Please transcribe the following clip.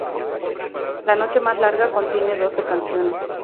La noche más larga contiene doce canciones.